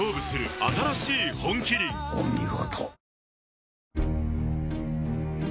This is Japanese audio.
お見事。